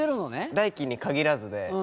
大輝に限らずで。